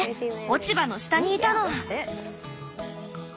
落ち葉の下にいたの。